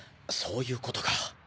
そういうことか。